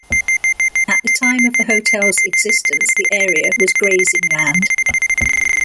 At the time of the hotel's existence, the area was grazing land.